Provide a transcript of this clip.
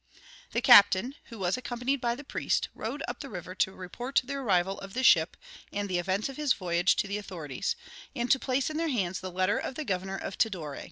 The captain, who was accompanied by the priest, rowed up the river to report the arrival of the ship and the events of his voyage to the authorities, and to place in their hands the letter of the governor of Tidore.